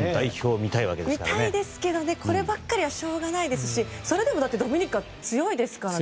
見たいですけどこればっかりはしょうがないですしそれでもドミニカ強いですから。